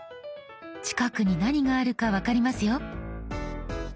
近くに何があるか分かりますよ。